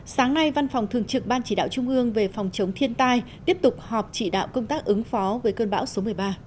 sáng nay văn phòng thường trực ban chỉ đạo trung ương về phòng chống thiên tai tiếp tục họp chỉ đạo công tác ứng phó với cơn bão số một mươi ba